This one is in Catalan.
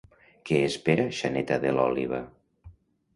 Què espera Xaneta de l'òliba?